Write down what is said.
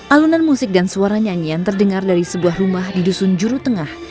alunan musik dan suara nyanyian terdengar dari sebuah rumah di dusun juru tengah